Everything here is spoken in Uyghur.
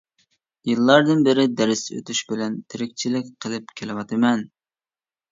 يىللاردىن بېرى دەرس ئۆتۈش بىلەن تىرىكچىلىك قىلىپ كېلىۋاتىمەن.